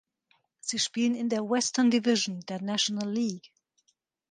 Sie spielen in der "Western Division" der National League.